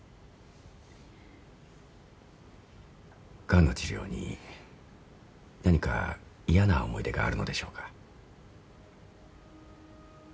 がんの治療に何か嫌な思い出があるのでしょうか？